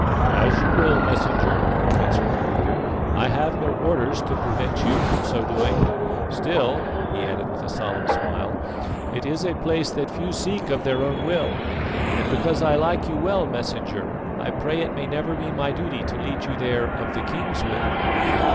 "As you will, Messenger," answered their leader; "I have no orders to prevent you from so doing. Still," he added with a solemn smile, "it is a place that few seek of their own will, and, because I like you well, Messenger, I pray it may never be my duty to lead you there of the king's will."